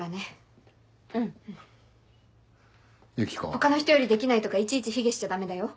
他の人よりできないとかいちいち卑下しちゃダメだよ。